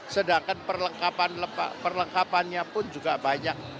sedangkan perlengkapannya pun juga banyak